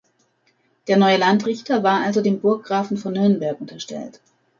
Der neue Landrichter war also dem Burggrafen von Nürnberg unterstellt.